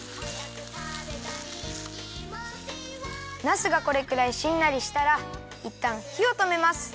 ナスがこれくらいしんなりしたらいったんひをとめます。